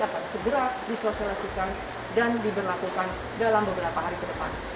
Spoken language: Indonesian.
akan segera disosialisasikan dan diberlakukan dalam beberapa hari ke depan